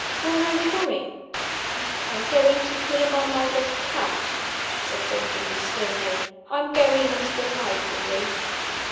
Where are you going?" "I am going to clear my mind of cant," said Benjamin, sternly. "I am going into the library."